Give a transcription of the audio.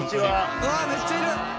「あっめっちゃいる！」